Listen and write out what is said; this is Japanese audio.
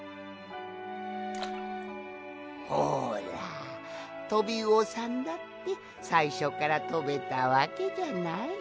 ほらトビウオさんだってさいしょからとべたわけじゃない。